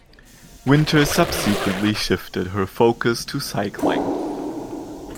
Wynter subsequently shifted her focus to cycling.